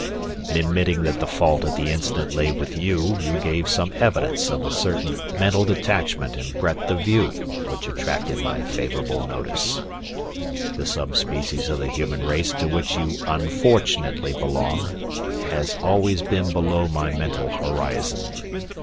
In admitting that the fault of the incident lay with you, you gave some evidence of a certain mental detachment and breadth of view which attracted my favorable notice. The sub species of the human race to which you unfortunately belong has always been below my mental horizon.